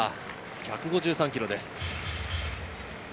１５３キロです。